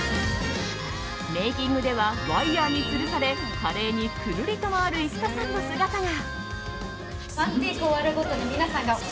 メイキングではワイヤに吊るされ華麗にくるりと回る幾田さんの姿が。